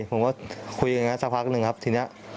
ผมก็คุยอย่างนั้นสักพักหนึ่งครับทีนี้